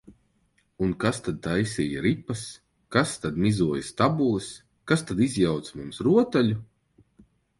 Un kas tad taisīja ripas, kas tad mizoja stabules, kas tad izjauca mums rotaļu?